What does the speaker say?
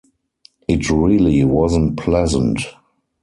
It really wasn't pleasant.